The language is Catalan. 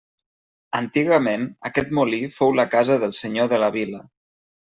Antigament aquest molí fou la casa del senyor de la vila.